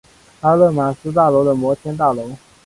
阿勒玛斯大楼的摩天大楼。